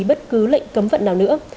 bất cứ lệnh cấm vận nào nữa